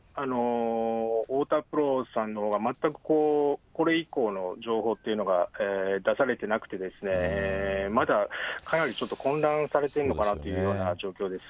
太田プロさんのほうは全くこう、これ以降の情報っていうのが出されてなくてですね、まだ、かなりちょっと混乱されているのかなというような状況です。